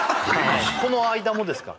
この間もですか？